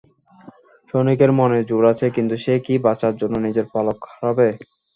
সনিকের মনে জোর আছে, কিন্তু সে কি বাঁচার জন্য নিজের পালক হারাবে?